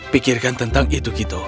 pikirkan tentang itu kito